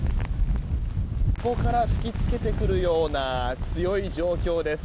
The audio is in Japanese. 横から吹き付けてくるような強い状況です。